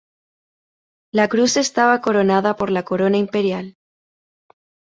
La cruz estaba coronada por la corona imperial.